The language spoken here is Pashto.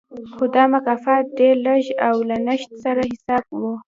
خو دا مکافات ډېر لږ او له نشت سره حساب و